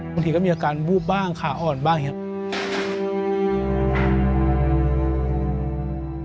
บางทีก็มีอาการวูบบ้างขาอ่อนบ้างอย่างนี้